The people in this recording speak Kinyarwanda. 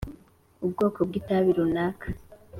ubwoko bw itabi runaka